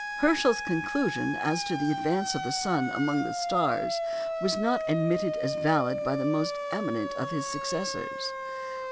Herschel's conclusion as to the advance of the sun among the stars was not admitted as valid by the most eminent of his successors.